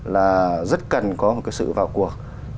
là rất cần có một sự vào cuộc